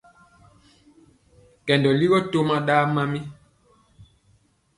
Kɛndɔ ligɔ toma ɗa mamɔɔ.